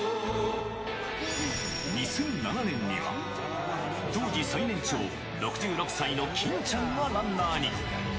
２００７年には、当時最年長、６６歳の欽ちゃんがランナーに。